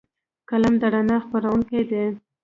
قلم د رڼا خپروونکی دی